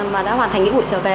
mà đã hoàn thành những buổi trở về